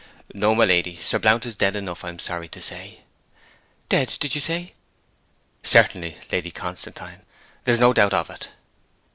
'No, my lady. Sir Blount is dead enough, I am sorry to say.' 'Dead, did you say?' 'Certainly, Lady Constantine; there is no doubt of it.'